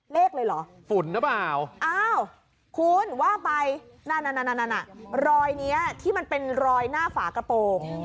เลขเลยเหรอฝุ่นหรือเปล่าอ้าวคุณว่าไปนั่นรอยนี้ที่มันเป็นรอยหน้าฝากระโปรง